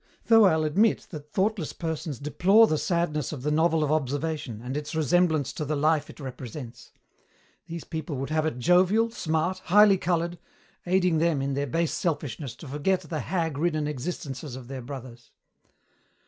Though I'll admit that thoughtless persons deplore the sadness of the novel of observation and its resemblance to the life it represents. These people would have it jovial, smart, highly coloured, aiding them, in their base selfishness, to forget the hag ridden existences of their brothers.